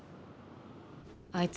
あいつ